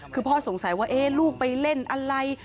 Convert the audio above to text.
คือพ่อสงสัยว่าลูกไปเล่นอะไร